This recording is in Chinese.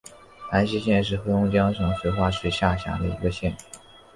兰西县是黑龙江省绥化市下辖的一个县。